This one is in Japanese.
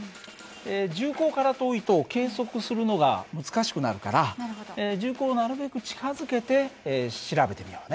銃口から遠いと計測するのが難しくなるから銃口をなるべく近づけて調べてみようね。